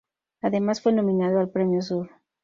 Además fue nominado al premio Sur.